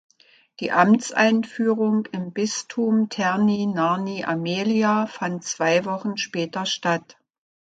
Die Amtseinführung im Bistum Terni-Narni-Amelia fand zwei Wochen später statt.